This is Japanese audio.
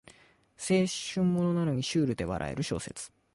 青春ものなのにシュールで笑える小説